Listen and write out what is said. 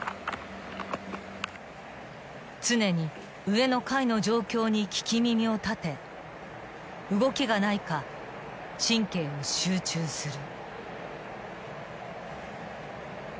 ［常に上の階の状況に聞き耳を立て動きがないか神経を集中する］